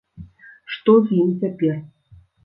Што з ім цяпер?